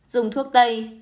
dùng thuốc tây